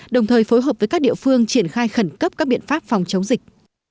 đồng thời phối hợp với các địa phương triển khai khẩn cấp các biện pháp phòng chống dịch